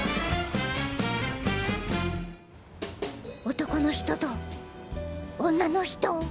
男の人と女の人？